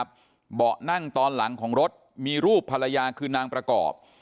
เบาะนั่งตอนหลังของรถมีรูปภรรยาคือนางประกอบ